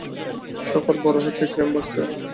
শহর বড় হচ্ছে, ক্রাইম বাড়ছে।